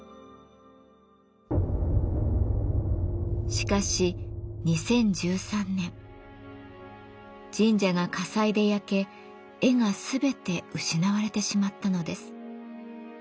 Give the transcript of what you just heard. しかし２０１３年神社が火災で焼け絵が全て失われてしまったのです。